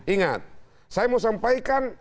ingat saya mau sampaikan